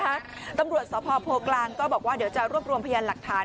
ตำรวจสพโพกลางก็บอกว่าเดี๋ยวจะรวบรวมพยานหลักฐาน